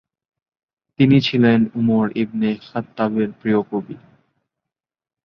তিনি ছিলেন উমর ইবনে খাত্তাবের প্রিয় কবি।